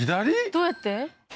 どうやって？